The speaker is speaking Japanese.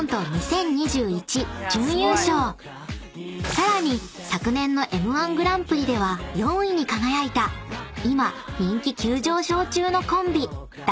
［さらに昨年のＭ−１グランプリでは４位に輝いた今人気急上昇中のコンビ男性ブランコ］